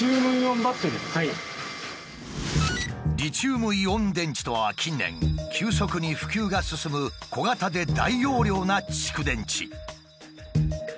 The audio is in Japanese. リチウムイオン電池とは近年急速に普及が進む小型で大容量な蓄電池。